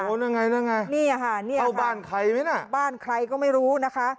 ยังไงนั่นไงนี่ค่ะเนี่ยเข้าบ้านใครไหมน่ะบ้านใครก็ไม่รู้นะคะ